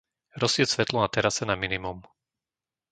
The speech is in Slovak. Rozsvieť svetlo na terase na minimum.